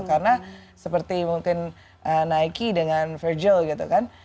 karena seperti mungkin nike dengan virgil gitu kan